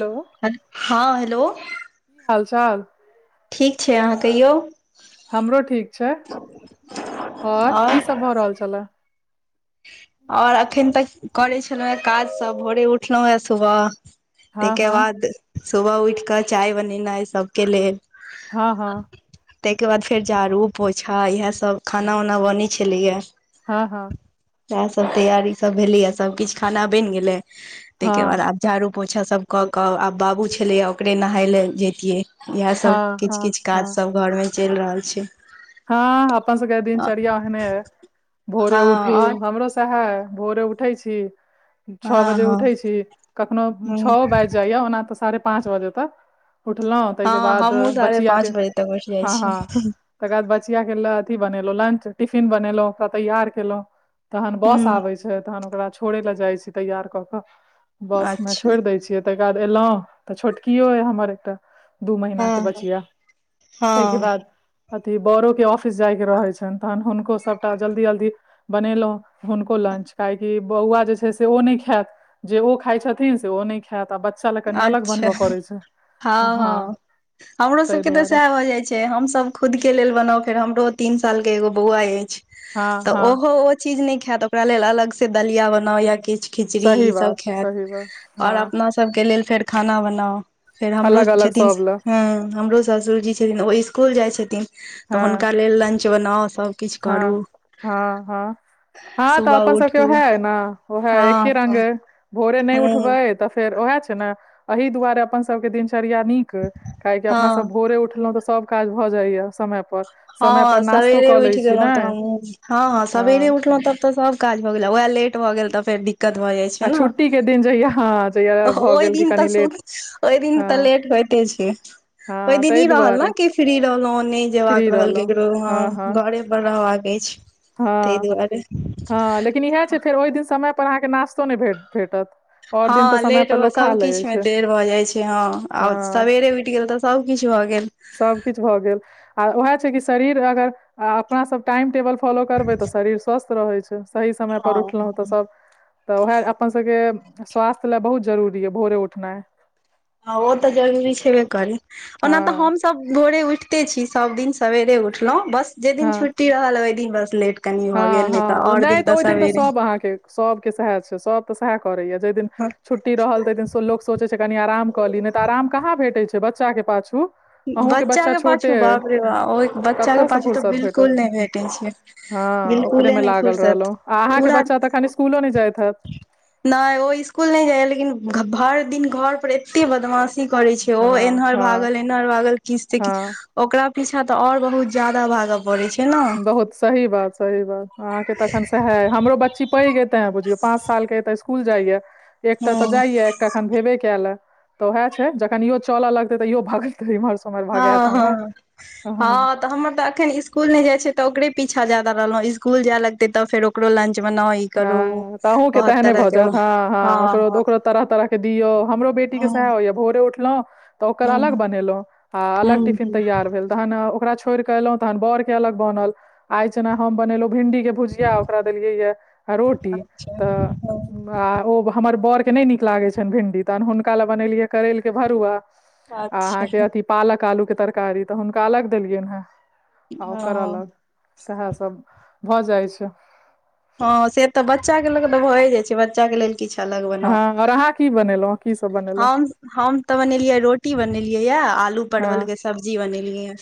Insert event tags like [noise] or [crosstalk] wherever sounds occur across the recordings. Hello हँ hello हालचाल ठीक छै अहाँ कहियऔ हमरो ठीक छै और की आओर सब भऽ रहल छलए ओर अखन तक करै छलहुँं हे काजसभ भोरे उठलो हे सुबह हँ ताइके हँ बाद सुबह उठि कऽ चाय बनेनाइ सभके लेल हँ हँ ताइके बाद फेर झाड़ू पोछा इएहसभ खाना उना बनैत छलैए हँ हँ इएह सब तैयारी सब भेली य सब किछ खाना बइन गेले तेइ के बाद हँ आब झाड़ू पोछा सब कऽ कऽ आब बाबू छलैए ओकरे नहाइ लए जैतियै इएहसभ हँ किछ हँ किछ हँ काजसभ घरमे चैल रहल छै हँ अपन सबके दिनचर्या ओहने है भोरे हँ उठू आओर हमरो सब [unintelligible] भोरे उठै छी छओ हँ बजे हँ उठै छी कखनो ह छओ बाइज जाइए ओना तऽ साढ़े पाँच बजे तक उठलो तेइ के हँ बाद हमहुँ साढ़े बच्चीया पाँच के बजे तक उठि जाइ हँ छी हँ तकर बाद बच्चीआके ल अथि बनेलहुँ लंच टिफिन बनेलहुँ ओकरा तैयार केलहुँ तहन बस हूँ आबै छै तहन ओकरा छोड़य लए जाइ छी तैयार कऽ कऽ बस मे अच्छा छोइड़ दै छियै ताकर बाद एलहुँ तऽ छोटकियो य हमर एकटा दू महीना के हँ बच्चिया ताहिके हँ बाद अथि बरोके ऑफिस जायके रहैत छनि तहन हुनको सभटा जल्दी जल्दी बनेलहुँ हुनको लंच काहेकि बौआ जे छै से ओ नय खायत जे ओ खाइ छथिन से ओ नय है आ बच्चा कनि अलग अच्छा बनबय पड़ै छै हँ हँ हमरो ताहि सबके तऽ दुआरे सएह भऽ जाइ छै हमस खुद के लेल बना फेर हमरो तीन साल के एगो बौआ अछि हँ तऽ हँ ओहो चीज नय खायत ओकरा लेल अलग से दलिया बनाउ या किछु खिचड़ी सही ई सब बात खायत सही बात और हँ अपना के लेल फेर खाना बनाउ फेर हमरो अलग अलग छथिन सब लए ह हमरो ससुर जी लेकीन ओ इसकुल जाइ छथिन तऽ हँ हुनका लेल लंच बनाउ सभ हँ हँ हँ हँ तऽ सुबह अपन सबके उठू ओहा हे न ओ है एकी रङंग हँ भोरे नय हँ उठबै तऽ फेर उएह छै ने एही दुआरे अपन सभके दिनचर्या नीक काहेक अपना सब हँ भोरे उठलों तऽ सब काज भ जाय या समय पर समय पर हँ नाास्तो सबेरे कऽ लय छी [inaudible] ने हँ हँ सब सेरे उठलहुँ तब तऽ सब काज भऽ गेल वएह लेट भऽ गेल तऽ फेर दिक्कत भऽ जाइ छै आ ने छुट्टी के दिन जहिया हँ जहिया भऽ ओहि गेल कि दिन तऽ कनि सु लेट ओइ दिन तऽ हँ लेट होइते छै ओहि हँ दिन ताहि ई रहल दुआरे ने कि फ्री रहलहुं नय जेबाका फ्री रहल रहलहुँ ककरो हँ हँ व घरे पर रहबाक अछि तै हँ दुआरे हँ लेकिन इएह छै फेर ओहि दिन समय पर अहाँके नास्तो नै भेट भेटत आओर दिन तऽ हँ लेट समयपर लोक खा सब लै किछु मे छै देर भऽ जाइ छै हँ आ हँ सवेरे उइठ गेल तऽ सबकिछ भऽ गेल सभकिछु भऽ गेल आ उएह छै कि शरीर अगर आ अपना सभ टाइम टेबल फॉलो करबै तऽ शरीर स्वस्थ रहै छै, सही समयपर उठलौ हँ तऽ सभ तऽ उएह अपन सभके स्वास्थ्य लए बहुत जरूरी यऽ भोरे उठनाइ। ह ओ तऽ जरूरी छेबे करै, ओना हँ तऽ हम सब भोरे उइठते छीयै सब दिन सबवेरे उठलहुँ बस जेहि दिन हँ छुट्टी रहल ओहि दिन बस लेट कनि भऽ हँ गेल नहि तऽ हँ आओर नै तऽ ओहि दिन तऽ सवेरे सभ अहाँके सभके सेहे छै सभ तऽ सएह करेया जहि दिन छुट्टी रहल ते दिन लोक सोचे छै कनी आराम क ली नै तऽ आराम कहाँ भेटे छै, बच्चा के पाछू अहूँके बच्चा के पाछू छोटे त अइ बाप रे बाप ओ बच्चा के कतऽसँ पाछू तऽ फुर्सत भेटत बिलकुल नै भेटै छै, हँ ओकरे बिल्कुले मे नहि लागल फुर्सत रहलहुँ आ अहाके पूरा बच्चा तऽ एखन स्कुलो ने जाइत हेएत नै ओ ईस्कूल नै जाय लेकिन भर दिन घर पर एते बदमाश की करै छै ओ हँ एन्हर हँ भागल एन्हर भागल किस त हँ कि ओकरा पीछा त और बहुत जदा भाग पड़ै छै, ने बहुत सही बात सही बात अहाँके त एखन त है हमरो बच्ची पैघ ए ते बुझियो पाँच साल के तऽ स्कूल जाइया एकटा तऽ हँ जाइया एखन भेबे कयले तऽ वएह छै जखन इहो चलऽ लगते त इयो भगलते इमहर स हँ हँ हँ। तऽ हमर तऽ अखन स्कूल नै जाय छै तऽ ओकरे पीछा ज जादा रहलों ईस्कूल जे लते त फेर ओकरो लंच बनाउ ई करू हँ तहूँ के बहुत तेहने तरह भऽ के जायत हँ हँ ओकरो तरह तरह दियौ हमरो बेटी के सेह होय य भोरे उठलौ त‌ओकर अलग हूँ बनेलौ आ अलग हूँ टीफिन हूँ तैयार भेल ओकरा छोइड़ के अइलो त बोर के अलग बनल आई छन् हम बनेलो भिंडी के भुजिया अउकर देलीये य रोटी अच्छा आ ओ हमर बड़ के नै नीक लागैत छैन भिंडी तहन हुनका ले बनेलियै करैल के भरुआ आ अच्छा अहाँके अथि पालक आलू के तरकारी तऽ हुनका अलग देलियनि हेँ। आ ओकरऽ हँ अलग सेएह सब भऽ जाइ छै, हँ से तऽ बच्चा के ल तऽ भए जाय छै बच्चा के लेल किछ अलग बनाउ अओर अहाँ की बनेलहुं हम हम तऽ बनेलियै रोटी बनेलियै यए आलू परवलके हँ सब्जी बनेलियै य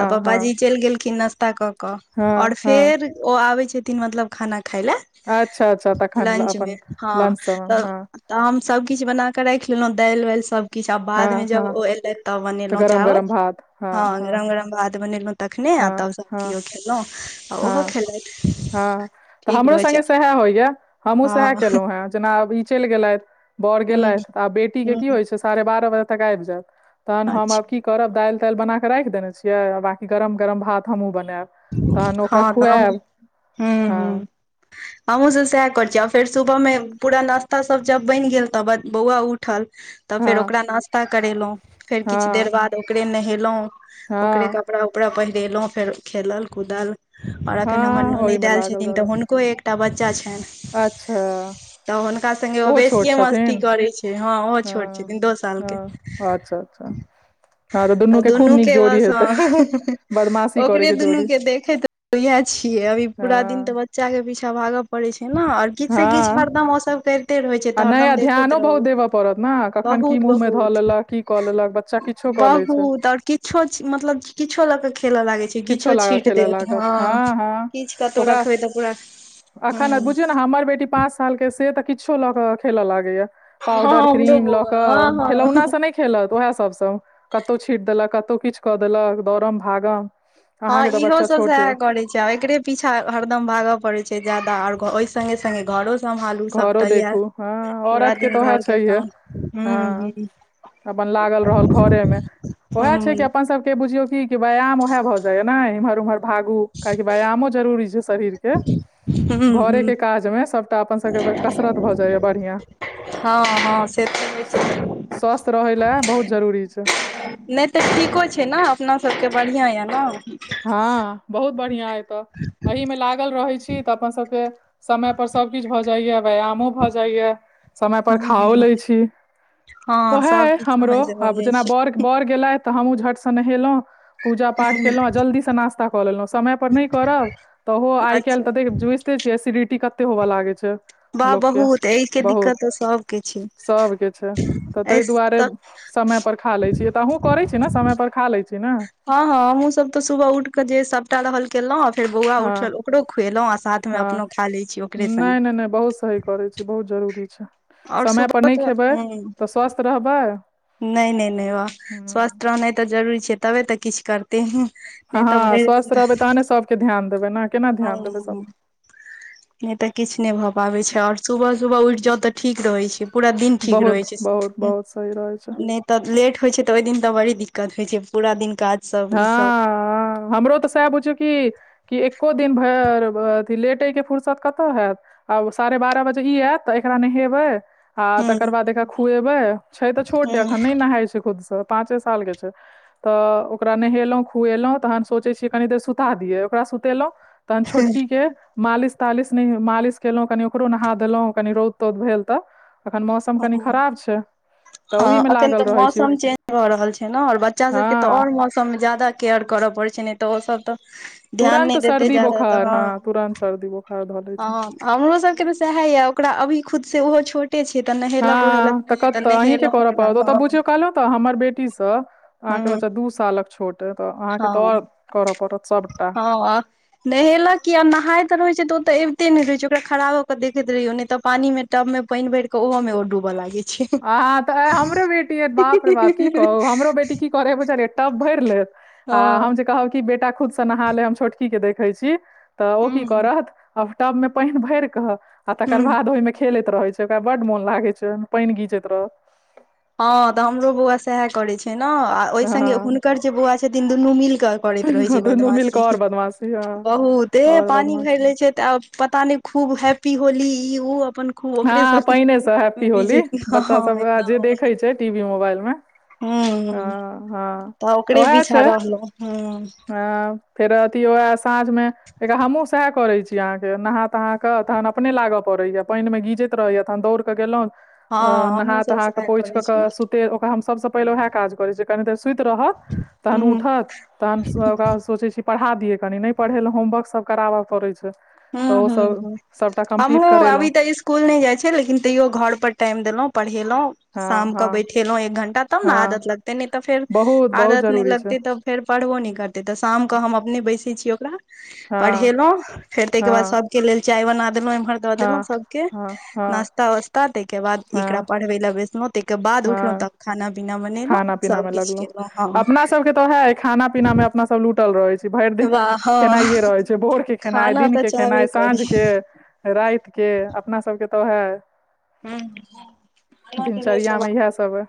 तऽ हँ पप्पाजी चैल गेलखिन नाास्ता कऽ कऽ हँ आओर हँ फेर ओ आबै छथिन मतलब खाना खाय ल अच्छा अच्छा तखन ल- लंचमे अपन हँ लंच समय मे त। हँ तऽ हम सभकिछ बना के रैख लेलहुँ दैल वैल सभकिछ आ हँ बादमे जब हँ ओ एयलैथ तब तऽ बनेलौ गरम चावल गरम भात हँ गरम गरम भात बनेलौ तखने आ हँ तब सभ हँ केओ खेलहुँ आ ओहो हँ खेलेथ हँ तऽ हमरो संगे‌ सएह होइए हमहूँ हँ सएह ह कलो हे जेना आब ई चैल गेलैथ। बर गेलैथ आब बेटी के की ह होइ छै साढ़े बारह बजे तक आइब जेएब तहन हम अच्छा आब की। करब दैल तैल बना कऽ रैख देने छियै बाँकी गरम गम भात हमहुँ बनूएब तहन ओकरा खुएब हुॅं हुॅं [inaudible] हमहूँ सब सएह कर छीयै आ फेर सुबह मे पूरा नाास्ता सब जब बनि गेल तब बौआ उठल तऽ फेर हँ ओकरा नास्ता करेलहुँ फेर किछु देर हँ बाद ओकरे नहेलहुँ ओकरे हँ कपड़ा कपड़ा पहिरेल हुॅं फेर खेलल कूदल आर अखन हमर हँ ननद ओहिमे एल लागल छथिन तऽ रहलहुँ हुनको एक टा बच्चा छनि। अच्छा। तऽ हुनका सगे ओ ओहो छोट बेसियए मस्ती छथिन करैत छै हँ ओहो छोट छथिन दो साल के। हँ अच्छा अच्छा हँ तऽ दुनू के खूब नीक जोड़ी हेतै बदमाशी एके करैके दुनू जोड़ी के देखे इह छियै अभी हँ पूरा दिन तऽ बच बच्चा के पीछा भागय पड़े छै ने और किछ से किछ। हँ हरदम ओ सब कर आ नया ध्यानो बहुत देबऽ पड़त ने कखन की बहुत मुँह में धऽ बहुत लेलक की कऽ लेलक बच्चा किछु बहुत और किछो मतलब किछो ल के खेल लाग किछो लागऽ छीट खेलऽ देत लागत हँ किछु कतहु रखबै तऽ पूरा एखन हूँ बुझियौ न हमर बेटी पाँच सालके से तऽ किछो लऽ कऽ खेलय लागैए। हँ पाउडर हमरो क्रीम ल बौआ के हँ हँ खेलौना से नय खेलत उएह सभ सँ कतहु छीट देलक कतहु किछु कऽ देलक दौड़ब भागब। हँ इहो सब सएह करै छै आ एकरे पीछा हरदम भागय पड़े छै जयदा और ओहि संगे सगे घरो सम्भालू सब घरो तऽ य देखू हँ पूरा औरतके दिन तऽ उएह घर के छैहे काम हु हँ हु। अपन लागल रहल घरे मे वएह छै हूँ कि अपन सब के बुझियौ की व्यायाम उह भए जाया ने इमहर उम्हर भागू किएकी व्यायामो जरुररी छै शरीर के। घरे हूँ के काज मे सबटा [unintelligible] हँ हँ से तऽ होइ स्वस्थ रहय लए बहुत छै। जरूरी छै नय तऽ ठीको छै ने अपना सभ के बढ़िआँ यए न हँ बहुत बढ़िया एतऽ [inaudible] एहि मे लागल रहै छी तऽ अपन सबके समय पर सभ किछु भऽ जाइएा व्यायामो भऽ जाइए। समय पर खाओ ले छी हँ सब ओहे किछ हमरो समय से भऽ आब जाइ जेना बर छै बर गेलथि तऽ हमहहुँ झट से नहेलहुँ पूजा पाठ केलहुँ आ जल्दी से नाास्ता कऽ लेलहुं समय पर नय करब त ओहो आइ काल्हि अच्छा तऽ देख जुझिते छिय एसिडिटी कते होवे लागे छै। वाह लोकके बहुत एहिके दिक्कत बहुत तऽ सबके छै सभके छै तऽ एहि ताहि दुआरे तऽ समय पर खा लै छीयै तऽ अहुँ करै छी ने समय पर खा लै छी न हँ हँ हम सब त सुबह उठऽ जे कटा रहल केलहुँ आ फेर बौआ हँ उठल ओकरो खुएलहुँ आ साथ मे अपन खा लै छी ओकरे सगे नय नय बहुत सही। करै छी बहुत जरूरी छै आओर समय परर सुबह नहि तऽ खेबै तऽ स्वस्थ रहबै नय नय नय वाह ह स्वस्थ रहनाइ तऽ जरूरी छै तबे तऽ किछु कर ते नै तऽ भरि दिन त के ध्यान देबै न [unintelligible] नय तऽ किछु नय भऽ पाबै छै आओर सुबह सुबह उठि जाउ तऽ ठीक रहैत छै। पूरा दिन ठीक रहै बहुत छै, बहुत बहुत सही रहै छै नै तऽ लेट होइ छै तऽ ओहि दिन तऽ बड़ी दिक्कत होइ छै पूरा दिन काज सब हँ ई सब हँ हमरो तऽ सेएह बुझियौ कि कि एक्को दिन भर अथि लेटयके फुुरसत कतऽ हैत आब साढ़े बारह बजे ई ऐेत तऽ एकरा नहेबै आ तकर हूँ बाद एकरा खुएबे छै तऽ छोट हूँ अखन नय नहाय छै खुद से पाचे साल के छै त ओकरा नहयेलो खुएलो तखन सोचै छियै कनि देर सुता दियै ओकरा सुतेलहुँ तखन छोटकीके मालिश तालिश नय मालिश केलो कनि ओकरो नहा देलहुँ कनि रौद तौद भेल तऽ तखन मौसम कनि खराब छैय हँ अखन तऽ मौसम चेंज भऽ रहल छै न और बच्चा सब के तऽ हँ और मौसम सबमे ज्यादा केयर करय पड़ैत छै ने तऽ ओसब तऽ ध्यान तुरंत नहि देते सर्दी जादा बोखार हँ तुरंत सर्दी बोखार धलै ह हमरो सब के तऽ सेएह ऐ ओकरा अभी खुद से ओहो छोटे छै तऽ नय ह हँ तऽ कतऽ अहीं के करऽ पड़त ओत बुझियौ कहलहु तऽ हमर बेटी तऽ अहाँ के हँ बच्चा दू सालक छोट अऽ अहाँ के तऽ हँ और करऽ पड़त सबटा [unintelligible] नहेलक कि आ नहैत रहे छै तऽ ओ तऽ अबिते नय रहैत छै ओकरा खरा भऽ के देखैत रहियै नै तऽ पानी मे तब मे पैइन भैर के ओहो में ओ डूबऽ लागै छै आहा तऽ हमरो बेटी ऐ बाप रे बाप की कहू हमरो बेटी की करे बुझल अइ टब भैर लेत आ हम हँ कहब कि बेटा खुद त नहा ले हम छोटकी के देखै छी तऽ ओ की हुँ करत अब टब मे पैन भैर कऽ आ तकर हुँ बाद ओइमे खेलैत रहे छै ओकरा बड मोन लागै छै ओइमे पैइन गीजैत रहत हँ तऽ हमरो बौआ सेएहे करै छै न ओहि संगे हँ हुनकर जे बौआ छथिन दुनू मिल कऽ करैत रहै छै दुनू मिल कऽ बदमाशी आओर बदमाशी हँ बहुते आओर पानी बदमाशी भैर लै छै तऽ आ पता नय खूब हैप्पी होली ई उ अपन खूब ओकरे हँ सब पैने से हैप्पी विजय होली बच्चा हँ सब जे देखे छै टीवी मोबाइल में हँ तऽ ओकरे पिछा रहलों ह ह फेर अथी वए साँझ मे एक हमहुँ सेएहे करैत छी अहाँके नहा तहा कऽ अहाँके तहन अपने लागय पड़ैया पानी मे गीजैत रहैए तहन दौड़ गेलौ हँ हमहुँ नहा सब तहा कऽ सएह पोछि करै क छी हूं कऽ ओकरा हम सबस पहिले वैह काज करै छी कनी देर सुइत रहत तहन उठत तहन स तहन सोचै छी पढ़ा दियै कनी नय पढ़ेलहु होमवर्क सब कराबय पड़ै छै तऽ हूँ ओ हूँ सब हूँ सबटा कम्प्लीट हमहूँ करेलहुँ अभी तऽ इस कूल नै जाय छै लेकिन तैयो घर पर टाइम देलो पढ़ेलो हँ शाम के हँ बैठेलो एक घंटा तब ने हँ आदत लगतै नय तऽ फेर बहुत बहुत आदत नै जरूरी छै लगतै तब फेर पढ़बो नय करतै तऽ शामकऽ हम अपने बैसै छी ओकरा हँ पढ़ेलो तेइ के बाद हँ सब के लेल चाय बना देलों इम्हर द देलौ हँ सबके हँ हँ नाश्ता वा ता तैके बाद एकरा हँ पढ़बय लए बैसलो तैके बाद उठलो हँ त खाना पीना बनेलो सभकिछु केलो हँ तोहे अइ खाना पीना मे अपना सब लूटल रहै छी भेइर दिन वाह हँ खेनाइए रहै छै भोरके खेनाइ खाना तऽ दिनके चाहबे खेनाइ करी साँझके राइत के अपना सबके तऽ उहे ह खाना दिनचर्या मे इएह सब अइ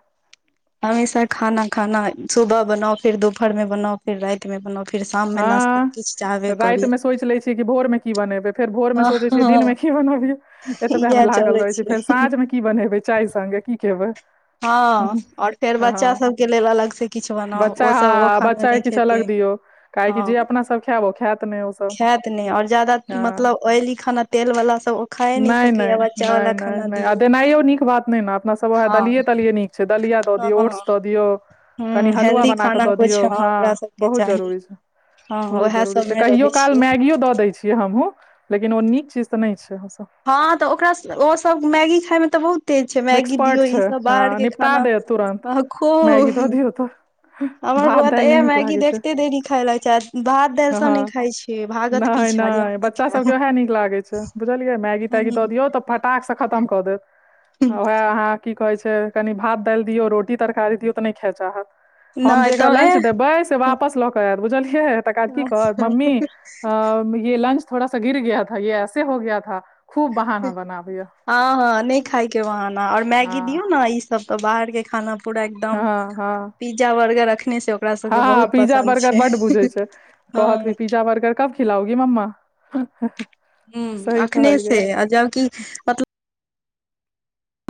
अहिस खाना खाना सुबह बनाउ फिर दुपहर में बनाउ फेर रातिमे बनाउ फेर शाममे नाश्ता हँ किछ चाहबे राति करी मे सोचि लै भोर मे कि बनेबै फेर भोर मे सोचे छियै दिन मे की बनबियै एतबेए में इएह लागल चलै रहै छै फेर साँझ मे की बनेबै चाय संगे की खेबै हँ और फेर बच्चा हँ सब के लेल अलग से किछु बनाउ ओ सब ओ खाना नै किछ अलग दियौ काहेकि जे अपना सब खायब खायत नय ओ सब खायत नहि और ज्यादा हँ मतलब ऑयली खाना तेल वाला सब ओ खाए नहि नहि सकैया बच्चा वाला नहि नहि खाना नहि आ दियौ देनाइयो नीक बात नहि ने अपना सब वह हँ देलिये तलिये नीक से दलिया द दियौ, ओट्स दऽ दियौ कनि ह हलुवा हेल्दी बना क खाना दऽ कुछ दियौ हँ हाँ ओकरा सबके बहुत चाही जरूरी छै। हँ बहुत उएह जरूरी छै सबमे रहै कहियो काल छी मैगियो दऽ दैछियै हमहूँ लेकिन ओ नीक चीज तऽ नै छै हँ तऽ ओकरा स ओ सब मैगी खााय मे तऽ बहुत तेज छै मैगी एक्सपर्ट दियौ ई छै सब बाहर हँ के निपटा खाना देत तुरन्त वहा खु मैगी दऽ दियौ तऽ हमर भात बौआ तऽ दालि नहि ऐह नीक मैगी लागै छै देखते देरी खाय लागै छै आ भात दाइल सब हँ नै खाय छै भागत नहि, पीछा जे हम नहि, बच्चा सभके खायब उएह नीक लागैत छै, बुझलियै मैगी तैगी दऽ दियौ तऽ। फटाक सँ खतम कऽ देत। हाँ उहाए अहाँ की कहै छै कनि भात दालि दियौ रोटी तरकारी दियौ तऽ नहि खाऽ चाहत। हम नहि जे एकरा तऽ ए लंच देबै से वापस लऽ केऽ आयत बुझलियै। तकर बाद की कहत मम्मी अं ये लंच थोड़ा सा गिर गया था ये ऐसे हो गाया था। खूब बहाना बनाबैया हाँ-हाँ नहि खायके बाहाना आओर मैगी दियौ हँ ने ई सब त बाहरके खाना पूरा एकदम हँ पिज्जा बर्गर अखने से ओकरा सबके हाँ-ह बहुत पिज्जा पसन्द बर्गर छै बड्ड बुझैत छै कहत कि हँ पिज्जा बर्गर कब खिलाओगी मम्मा हँ-हह हूँ अखने से आ जब कि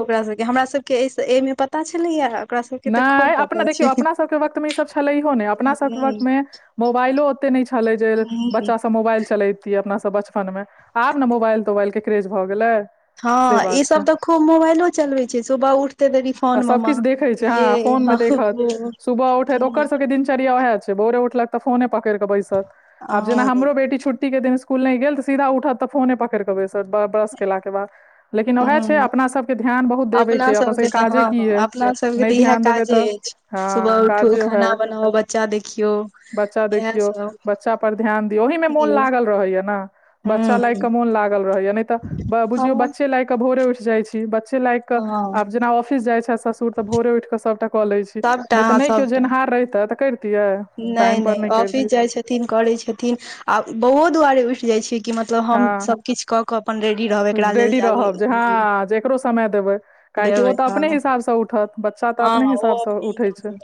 ओकरा सबके हमरा सभके एहिसँ एहिमे पता छलैया ओकरा सबके तऽ खूब नहि अपना पता छै देखियौ अपना सबके वक्तमे ई सब छलैइहो नहि। अपना सबके वक्तमे मोबाइलो ओतेक नहि छलै जे बच्चासभ मोबाइल चलैत अपना सब बचपन मे, आब ने मोबाइल तोबाइलके क्रेज भऽ गेलै। से हाँ ई बात छै सब तऽ खूब मोबाइलो चलवै छै सुबह उठते देरी सब फोनमे किछु देखे छै हाँ फोनमे देखत सुबह उठत ओकर सबके दिनचर्या वएहे छै भोरे उठलक त फोने पकरि के बैसत आब जेना हँ हमरो बेटी छुट्टीके दिन स्कुल नहि गेल तऽ सीधा उठत तऽ फोने पकड़ि कऽ बैसत ब्रश केलाकके बाद। लेकिन ओहाए छै हँ अपना सबके ध्यान बहुत देबैके या अपना सबके काजे की आए अपना सबकें त इएह काजे अछि सुबह उठू, काजे ओएह खाना बनाउ, बच्चा देखियौ। बच्चा इएह देखियौ, सब बच्चा पर ध्यान दियऔ ओहिमे मोन दियौ लागल रहैया ने हूँ बच्चा लागि कऽ मन मोन लागल रहैया नै तऽ बाबूजी ओ हूँ हँ बच्चे लागि कऽ भोरे उठि जाइ छी, बच्चे लागि कऽ हँ आब जेना ऑफिस जाइ छै तऽ भोरे उठि कऽ सबटा कऽ लै छी सबटा नहि तऽ अहाँ नहि केओ सबटा जेनहार रहिता तऽ करितियै। नहि टाइम पर नहि ऑफिस करितियै जाइ छथिन, करै छथिन आ बौओ दुआरे उठि जाइ छियै कि मतलब हम हँ सबकिछु कऽ के अपन रेडी रहब एकरा लेल रेडी जाबै रहब जे हँ जे एकरो समय देबै काहेकि ओ देबै तऽ अपने हिसाबसँ उठत बच्चा तऽ अपने हाँ-हाँ ओ हिसाबसँ अपने उठै हिसाब छै सँ